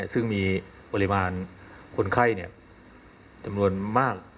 ซึ่งมีปริมาณคนไข้จำนวนมาก